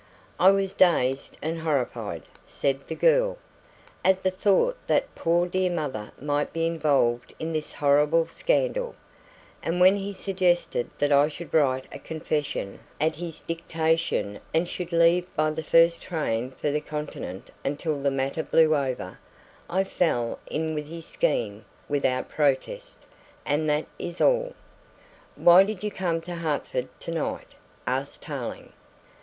"I was dazed and horrified," said the girl, "at the thought that poor dear mother might be involved in this horrible scandal, and when he suggested that I should write a confession at his dictation and should leave by the first train for the Continent until the matter blew over, I fell in with his scheme without protest and that is all." "Why did you come to Hertford to night?" asked Tarling.